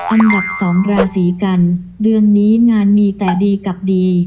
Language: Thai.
อันดับสองราศีกันเดือนนี้งานมีแต่ดีกับดี